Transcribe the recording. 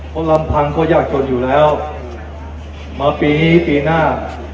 เพราะลำพังก็ยากจนอยู่แล้วมาปีนี้ปีหน้า